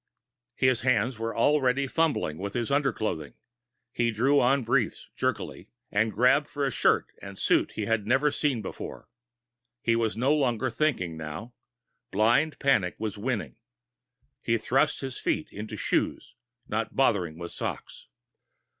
_His hands were already fumbling with his under clothing. He drew on briefs jerkily, and grabbed for the shirt and suit he had never seen before. He was no longer thinking, now. Blind panic was winning. He thrust his feet into shoes, not bothering with socks.